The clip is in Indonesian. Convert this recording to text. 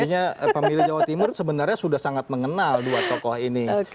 artinya pemilih jawa timur sebenarnya sudah sangat mengenal dua tokoh ini